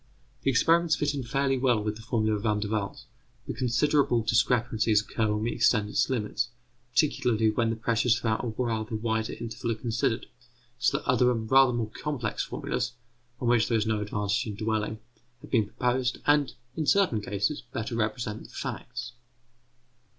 The experiments fit in fairly well with the formula of Van der Waals, but considerable discrepancies occur when we extend its limits, particularly when the pressures throughout a rather wider interval are considered; so that other and rather more complex formulas, on which there is no advantage in dwelling, have been proposed, and, in certain cases, better represent the facts.